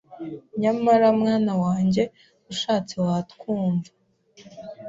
Nyamara mwana wanjye ushatse watwumva”